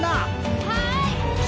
はい！